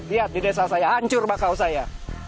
lihat di desa saya hancur bakau saya